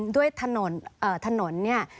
ด้วยถนนถนนเนี่ย